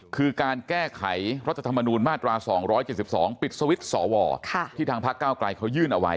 คือการแก้ไขรัฐธรรมนูญมาตรา๒๗๒ปิดสวิตช์สวที่ทางพักเก้าไกลเขายื่นเอาไว้